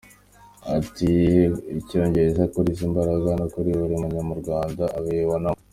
Ati” Ikiyongera kuri izi mbaraga ni uko buri munyarwanda abyibonamo.